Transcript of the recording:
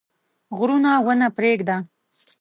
غرونه ونه پرېږده.